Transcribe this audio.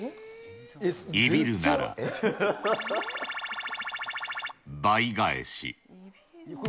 いびるなら×××倍返し。